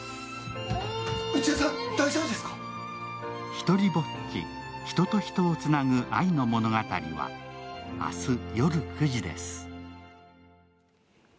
「ひとりぼっち―人と人をつなぐ愛の物語―」は明日夜９時です。